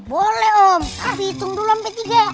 boleh om tapi hitung dulu sampai tiga